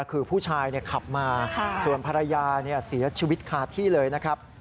คือผู้ชายขับมาส่วนภรรยาเสียชีวิตคาที่เลยนะครับ